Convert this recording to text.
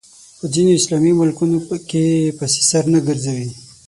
په ځینو اسلامي ملکونو کې پسې سر نه ګرځوي